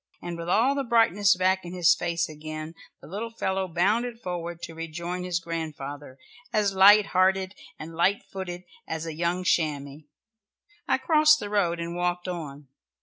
And with all the brightness back in his face again, the little fellow bounded forward to rejoin his grandfather, as light hearted and light footed as a young chamois. I crossed the road and walked on.